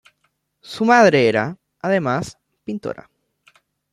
Su madre era, además, pintora.